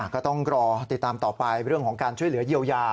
ก็ต้องรอติดตามต่อไปเรื่องของการช่วยเหลือเยียวยา